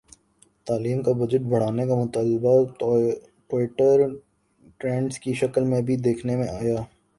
تعلیم کا بجٹ بڑھانے کا مطالبہ ٹوئٹر ٹرینڈز کی شکل میں بھی دیکھنے میں آیا